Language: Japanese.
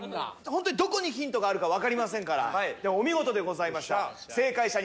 ホントにどこにヒントがあるか分かりませんからお見事でございましたよっしゃ